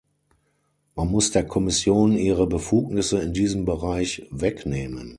Man muss der Kommission ihre Befugnisse in diesem Bereich wegnehmen.